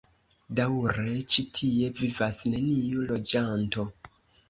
Daŭre ĉi tie vivas neniu loĝanto.